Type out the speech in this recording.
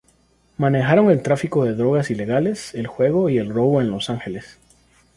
Manejaron el tráfico de drogas ilegales, el juego y el robo en Los Ángeles.